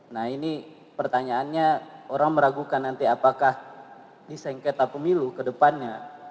nah ini pertanyaannya orang meragukan nanti apakah disengketa pemilu kedepannya